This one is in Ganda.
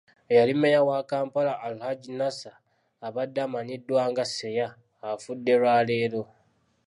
Eyali Mmeeya wa Kampala, Al-Hajji Nasser, abadde amanyiddwa nga Seeya, afudde lwa leero.